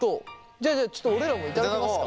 じゃあじゃあちょっと俺らも頂きますか。